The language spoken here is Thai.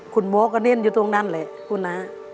คุณโม๊คก็นิ่นอยู่ตรงนั้นเลยคุณนะ